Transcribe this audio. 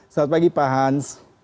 selamat pagi pak hans